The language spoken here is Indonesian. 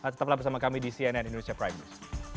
tetaplah bersama kami di cnn indonesia prime news